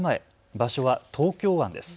場所は東京湾です。